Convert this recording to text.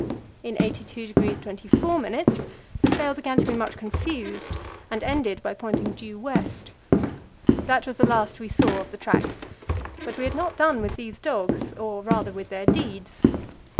In 82° 24' the trail began to be much confused, and ended by pointing due west. That was the last we saw of the tracks; but we had not done with these dogs, or rather with their deeds.